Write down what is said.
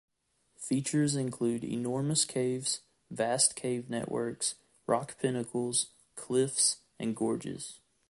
Features include enormous caves, vast cave networks, rock pinnacles, cliffs and gorges.